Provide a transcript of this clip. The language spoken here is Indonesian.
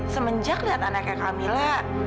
semenjak lihat anaknya camilla